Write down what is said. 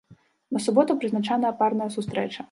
На суботу прызначаная парная сустрэча.